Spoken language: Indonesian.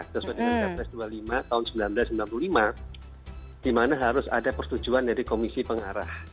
sesuai dengan perpres dua puluh lima tahun seribu sembilan ratus sembilan puluh lima di mana harus ada persetujuan dari komisi pengarah